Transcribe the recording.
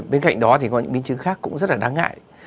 bên cạnh đó thì có những biến chứng khác cũng rất là đáng ngại